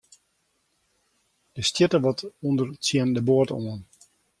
Der stjitte wat ûnder tsjin de boat oan.